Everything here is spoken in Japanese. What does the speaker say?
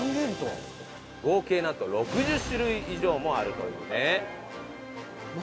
合計なんと６０種類以上もあるというね。